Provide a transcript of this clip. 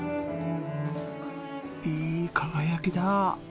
いい輝きだ！